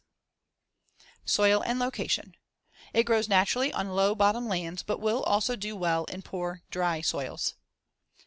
] Soil and location: It grows naturally on low bottom lands but will also do well in poor, dry soils.